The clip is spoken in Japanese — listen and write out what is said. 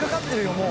もう。